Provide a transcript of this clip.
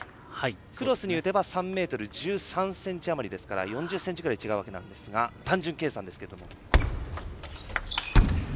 クロスに打てば３ｍ１３ｃｍ余りですから４０ｃｍぐらい違うわけですが単純計算ですけども。